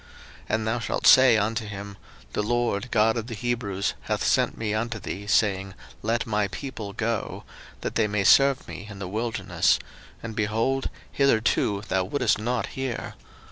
02:007:016 And thou shalt say unto him, The LORD God of the Hebrews hath sent me unto thee, saying, Let my people go, that they may serve me in the wilderness: and, behold, hitherto thou wouldest not hear.